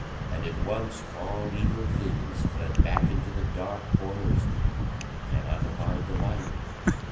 And at once all evil things fled back into the dark corners, for they cannot abide the light.